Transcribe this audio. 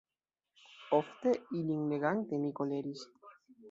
Ofte, ilin legante, mi koleris.